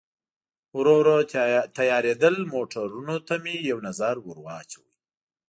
ورو ورو تیارېدل، موټرونو ته مې یو نظر ور واچاوه.